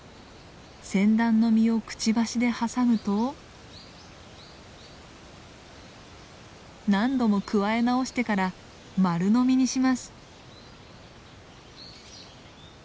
センダンの実をくちばしで挟むと何度もくわえ直してから丸飲みにします。